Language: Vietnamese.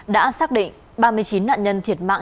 đã xác định ba mươi chín nạn nhân thiệt mạng